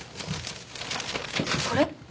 これ？